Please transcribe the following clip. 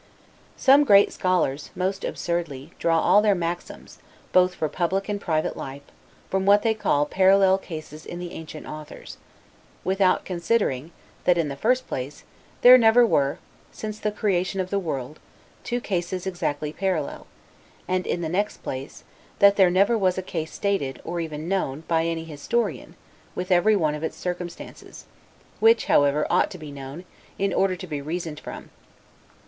Some great scholars, most absurdly, draw all their maxims, both for public and private life, from what they call parallel cases in the ancient authors; without considering, that, in the first place, there never were, since the creation of the world, two cases exactly parallel; and, in the next place, that there never was a case stated, or even known, by any historian, with every one of its circumstances; which, however, ought to be known, in order to be reasoned from.